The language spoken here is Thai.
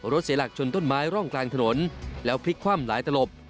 เสียหลักชนต้นไม้ร่องกลางถนนแล้วพลิกคว่ำหลายตลบ